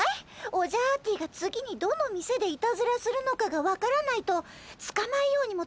オジャアーティが次にどの店でいたずらするのかが分からないとつかまえようにもつかまえられないよ。